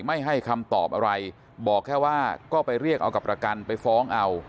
ไม่ให้คำตอบอะไรบอกแค่ว่าก็ไปเรียกเอากับประกันไปฟ้องเอา